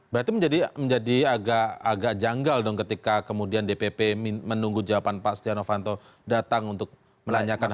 berarti menjadi agak janggal dong ketika kemudian dpp menunggu jawaban pak stiano fanto datang untuk menanyakan hal ini